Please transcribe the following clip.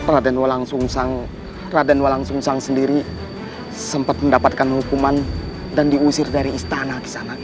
raden walangsungsang raden walangsungsang sendiri sempat mendapatkan hukuman dan diusir dari istana